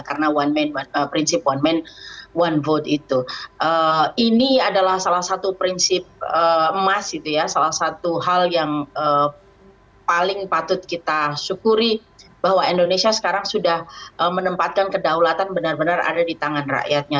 karena prinsip one man one vote itu ini adalah salah satu prinsip emas salah satu hal yang paling patut kita syukuri bahwa indonesia sekarang sudah menempatkan kedaulatan benar benar ada di tangan rakyatnya